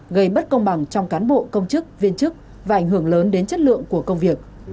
gây bất công bằng trong cán bộ công chức viên chức và ảnh hưởng lớn đến chất lượng của công việc